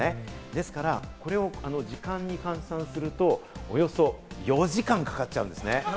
ですから、これを時間に換算すると、およそ４時間かかっちゃうんですね。